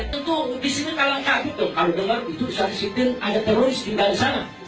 tentu disini kalangkah kalau dengar itu suatu situ ada teroris di baris sana